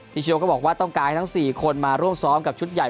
ชโยก็บอกว่าต้องการให้ทั้ง๔คนมาร่วมซ้อมกับชุดใหญ่